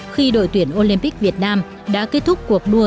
khi đội tuyển olympic việt nam đã kết thúc cuộc đua